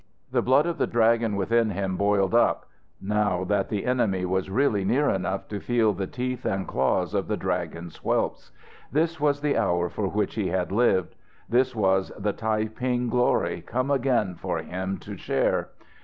The blood of the Dragon within him boiled up, now that the enemy was really near enough to feel the teeth and claws of the Dragon's whelps. This was the hour for which he had lived. This was the Tai ping glory come again for him to share.